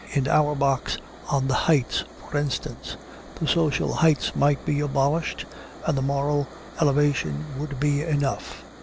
In Auerbach's On the Heights, for instance, the social heights might be abolished and the moral elevation would be enough.